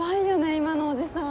今のおじさん。